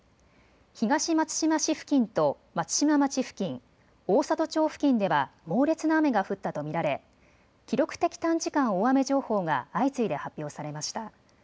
東松島市付近と松島町付近、大郷町付近では猛烈な雨が降ったと見られ、記録的短時間大雨情報が相次いで発表されました。